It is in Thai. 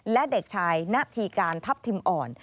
และเด็กชายณฑีการทัพทิมอ่อน